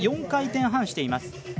４回転半しています。